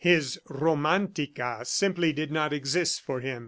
His Romantica simply did not exist for him.